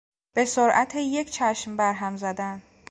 به سرعت یک چشم بر هم زدن